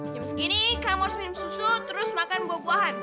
jam segini kamu harus minum susu terus makan buah buahan